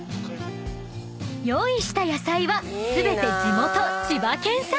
［用意した野菜は全て地元千葉県産］